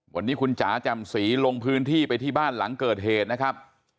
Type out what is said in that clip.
วันนี้คุณจ๋าจำศรีลงพื้นที่ไปที่บ้านหลังเกิดเหตุนะครับ